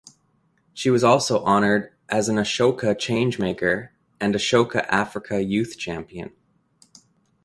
She was also honoured as an Ashoka Changemaker and Ashoka Africa Youth Champion.